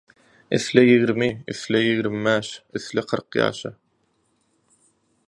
Isle ýigrimi, isle ýigrimi bäş, isle kyrk ýaşa